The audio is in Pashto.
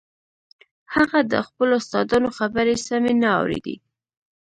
هغه د خپلو استادانو خبرې سمې نه اورېدې.